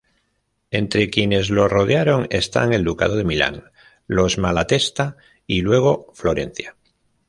Entre quienes lo rodearon están el Ducado de Milán, los Malatesta y luego Florencia.